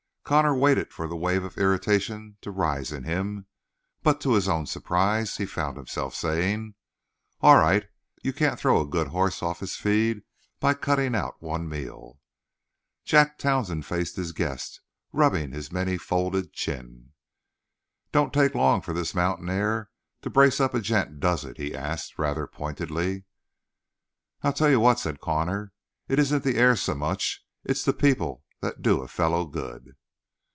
Connor waited for the wave of irritation to rise in him, but to his own surprise he found himself saying: "All right; you can't throw a good horse off his feed by cutting out one meal." Jack Townsend faced his guest, rubbing his many folded chin. "Don't take long for this mountain air to brace up a gent, does it?" he asked rather pointedly. "I'll tell you what," said Connor. "It isn't the air so much; it's the people that do a fellow good."